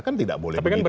kan tidak boleh begitu juga